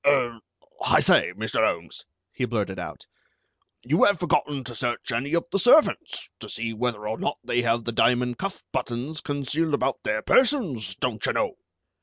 "Er, Hi say, Mr. 'Olmes," he blurted out, "you have forgotten to search any of the servants, to see whether or not they have the diamond cuff buttons concealed about their persons, doncherknow."